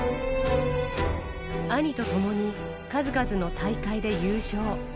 兄とともに、数々の大会で優勝。